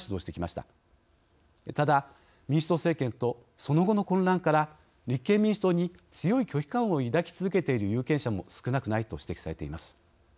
ただ、民主党政権とその後の混乱から立憲民主党に強い拒否感を抱き続けている有権者も少なくないと指摘されています。